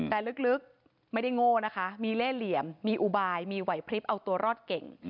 แต่ลึกไม่ได้โง่นะคะมีเล่เหลี่ยมมีอุบายมีไหวพลิบเอาตัวรอดเก่ง